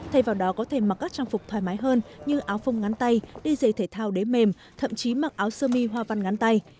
thay vào đó có thể mặc các trang phục thoải mái hơn như áo phung ngắn tay đi dày thể thao đế mềm thậm chí mặc áo sơ mi hoa văn ngắn tay